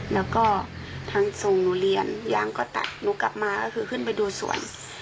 แล้วก็ทางทรงหนูเรียนยางก็ตัดหนูกลับมาก็คือขึ้นไปดูสวน